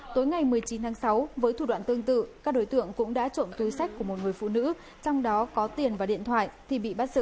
tối ngày một mươi chín tháng sáu với thủ đoạn tương tự các đối tượng cũng đã trộm túi sách của một người phụ nữ trong đó có tiền và điện thoại